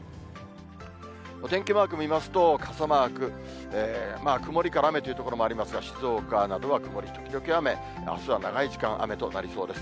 お天気マーク見ますと、傘マーク、曇りから雨という所もありますが、静岡などは曇り時々雨、あすは長い時間雨となりそうです。